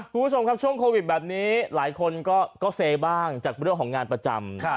คุณผู้ชมครับช่วงโควิดแบบนี้หลายคนก็เซบ้างจากเรื่องของงานประจำ